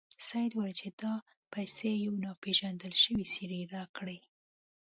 سید وویل چې دا پیسې یو ناپيژندل شوي سړي راکړې.